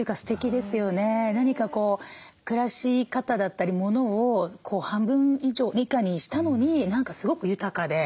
何か暮らし方だったり物を半分以下にしたのに何かすごく豊かで。